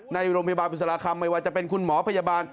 ในโรงพยาบาลบุษราคำไม่ว่าจะเป็นคุณหมอพยาบาล